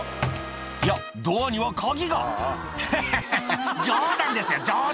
いやドアには鍵が「ヘヘヘヘ冗談ですよ冗談」